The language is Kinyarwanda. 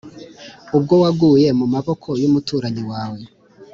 ubwo waguye mu maboko y’umuturanyi wawe,